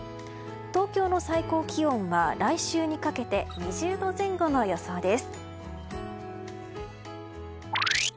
東京の最高気温は来週にかけて２０度前後の予想です。